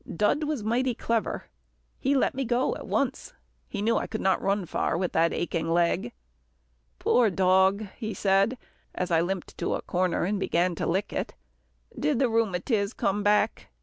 Dud was mighty clever. He let me go at once. He knew I could not run far with that aching leg. "Poor dog," he said as I limped to a corner and began to lick it. "Did the rheumatiz come back?